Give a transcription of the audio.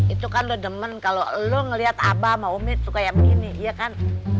itu kan lo demen kalo lo ngeliat aba sama umi tuh kayak begini iya kan